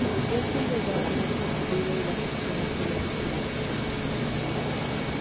Es un lugar muy concurrido y las piscinas tienen vigilancia permanente.